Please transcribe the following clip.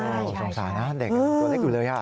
สงสารนะเด็กตัวเล็กอยู่เลย